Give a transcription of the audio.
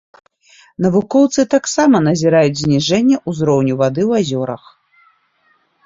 Навукоўцы таксама назіраюць зніжэнне ўзроўню вады ў азёрах.